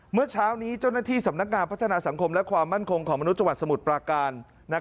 เมื่อเช้านี้เจ้าหน้าที่สำนักงานพัฒนาสังคมและความมั่นคงของมนุษย์จังหวัดสมุทรปราการ